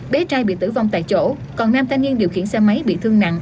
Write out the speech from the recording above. bé trai bị tử vong tại chỗ còn nam thanh niên điều khiển xe máy bị thương nặng